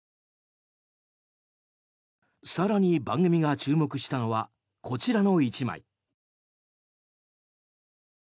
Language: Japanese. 更に番組が注目したのはこちらの１枚。